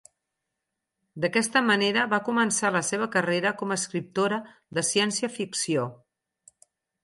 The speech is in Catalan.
D'aquesta manera va començar la seva carrera com a escriptora de ciència-ficció.